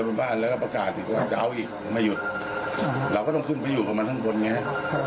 บนบ้านแล้วก็ประกาศอีกว่าจะเอาอีกไม่หยุดเราก็ต้องขึ้นไปอยู่กับมันข้างบนไงฮะ